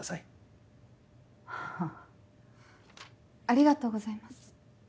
ありがとうございます。